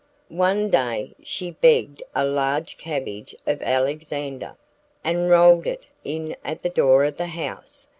One day she begged a large cabbage of Alexander, and rolled it in at the door of the house.